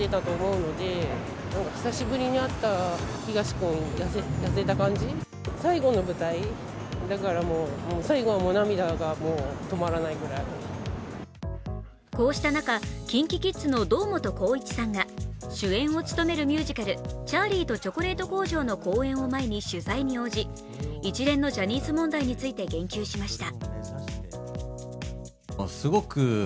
公演を見た人はこうした中、ＫｉｎＫｉＫｉｄｓの堂本光一さんが主演を務めるミュージカル「チャーリーとチョコレート工場」の公演を前に取材に応じ、一連のジャニーズ問題について言及しました。